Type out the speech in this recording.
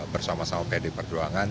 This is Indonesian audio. bersama sama bd perjuangan